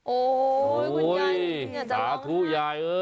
โอ้ยยยยยถุยาย